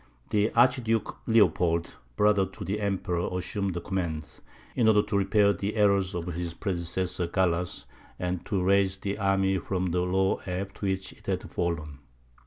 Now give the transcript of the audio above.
The Archduke Leopold, brother to the Emperor, assumed the command, in order to repair the errors of his predecessor Gallas, and to raise the army from the low ebb to which it had fallen.